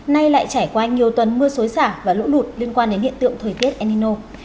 nay lại trải qua nhiều tuần mưa xối xả và lũ lụt liên quan đến hiện tượng thời tiết enino